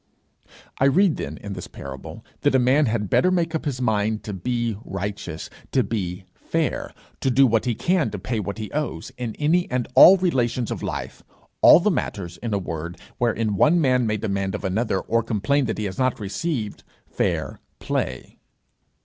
I read, then, in this parable, that a man had better make up his mind to be righteous, to be fair, to do what he can to pay what he owes, in any and all the relations of life all the matters, in a word, wherein one man may demand of another, or complain that he has not received fair play.